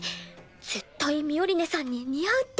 絶対ミオリネさんに似合うって。